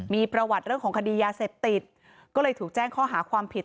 มีประวัติเรื่องของคดียาเสพติดก็เลยถูกแจ้งข้อหาความผิด